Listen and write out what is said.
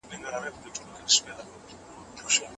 که هغه پیسې ولري، پلار به ډاکټر ته بوځي.